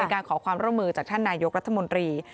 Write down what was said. การขอความร่วมมือจากท่านนายกรัฐมนตรี